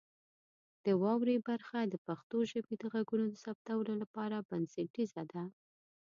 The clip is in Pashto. د واورئ برخه د پښتو ژبې د غږونو د ثبتولو لپاره بنسټیزه ده.